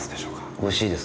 おいしいです。